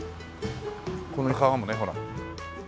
この川もねほら。